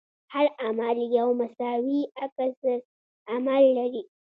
هر عمل یو مساوي عکس العمل لري.